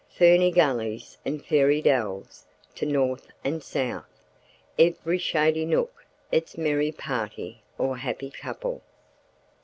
Ferny gullies and "fairy dells" to north and south, and every shady nook its merry party or happy couple.